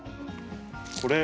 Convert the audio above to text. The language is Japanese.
これ。